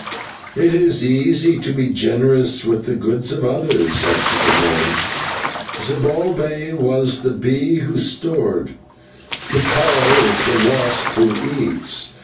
"It is easy to be generous with the goods of others," answered the man. "Zibalbay was the bee who stored; Tikal is the wasp who eats.